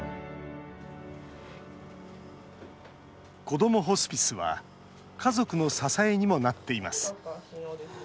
こどもホスピスは家族の支えにもなっています。